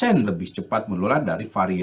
yang jauh lebih cepat menular daripada alpha saat itu